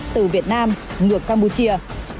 từ việt nam ngược campuchia